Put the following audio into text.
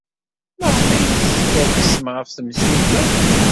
Maɣef ay teskerksem ɣef temsulta?